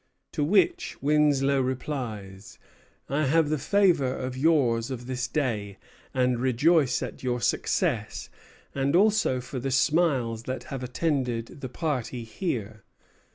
To which Winslow replies: "I have the favor of yours of this day, and rejoice at your success, and also for the smiles that have attended the party here."